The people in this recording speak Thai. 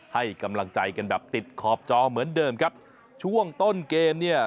ให้กำลังใจกันแบบติดขอบจอเหมือนเดิมครับช่วงต้นเกมเนี่ย